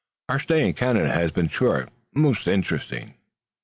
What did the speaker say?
"Our stay in Canada has been short, but most interesting."